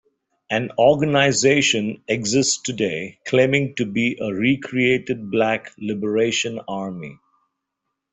An organization exists today claiming to be a recreated Black Liberation Army.